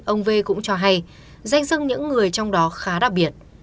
ông v cũng cho hay danh sưng những người trong đó khá đặc biệt